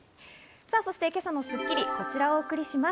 今朝の『スッキリ』はこちらお送りします。